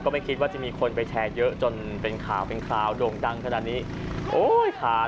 ไม่คิดว่าจะมีคนไปแชร์เยอะจนเป็นข่าวเป็นคราวโด่งดังขนาดนี้โอ้ยขาด